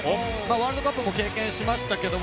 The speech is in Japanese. ワールドカップも経験しましたけど